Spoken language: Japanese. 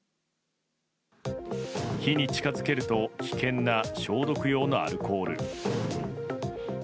火に近づけると危険な消毒用のアルコール。